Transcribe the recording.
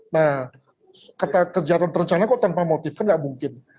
nah kejahatan terencana kok tanpa motif kan nggak mungkin